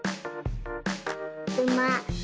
うま。